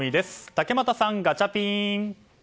竹俣さん、ガチャピン！